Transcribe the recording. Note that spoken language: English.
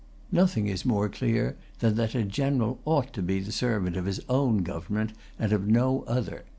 Nothing is more clear than that a general ought to be the servant of his own government, and of no other.